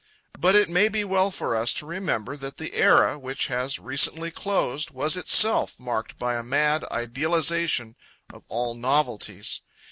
But it may be well for us to remember that the era which has recently closed was itself marked by a mad idealisation of all novelties.